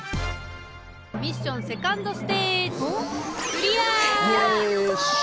ミッションセカンドステージやった！